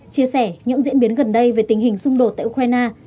chia sẻ những diễn biến gần đây về tình hình xung đột tại ukraine